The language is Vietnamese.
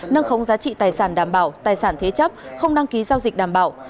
nâng khống giá trị tài sản đảm bảo tài sản thế chấp không đăng ký giao dịch đảm bảo